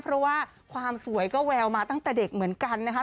เพราะว่าความสวยก็แววมาตั้งแต่เด็กเหมือนกันนะคะ